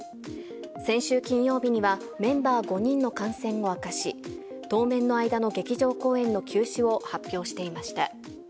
先週金曜日には、メンバー５人の感染を明かし、当面の間の劇場公演の休止を発表していました。